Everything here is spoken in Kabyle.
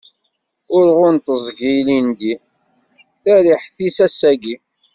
Urɣu n teẓgi ilindi, tariḥt-is, ass-agi.